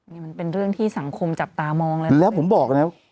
มันเป็นเรื่องที่สังคมจับตามองแล้วแล้วผมบอกเนี้ย